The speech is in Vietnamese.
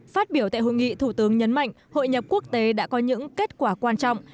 phát biểu tại hội nghị thủ tướng nhấn mạnh hội nhập quốc tế đã có những kết quả quan trọng